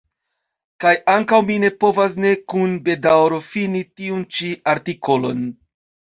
Kaj ankaŭ mi ne povas ne kun bedaŭro fini tiun ĉi artikolon.